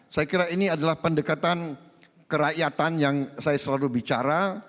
saya kira ini adalah pendekatan kerakyatan yang saya selalu bicara